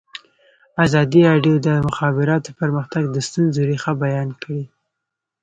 ازادي راډیو د د مخابراتو پرمختګ د ستونزو رېښه بیان کړې.